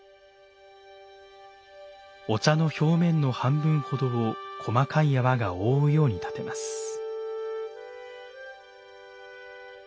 お茶の表面の半分ほどを細かい泡が覆うように点てます。